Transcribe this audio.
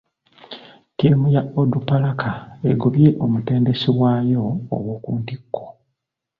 Ttiimu ya Onduparaka egobye omutendesi waayo owokuntikko.